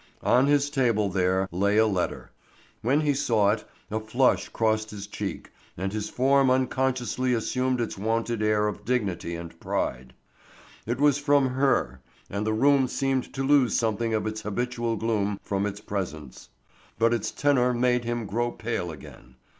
On his table there lay a letter. When he saw it a flush crossed his cheek and his form unconsciously assumed its wonted air of dignity and pride. It was from her and the room seemed to lose something of its habitual gloom from its presence. But its tenor made him grow pale again.